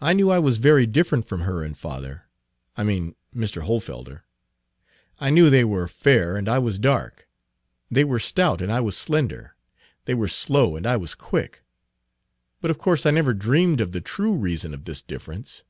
I knew I was very different from her and father, I mean Mr. Hohlfelder. I knew they were fair and I was dark; they were stout and I was slender; they were slow and I was quick. But of course I never dreamed of the true reason of this difference.